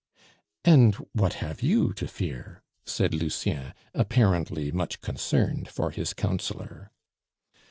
"And what have you to fear?" said Lucien, apparently much concerned for his counselor.